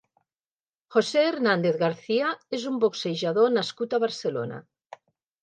José Hernández García és un boxejador nascut a Barcelona.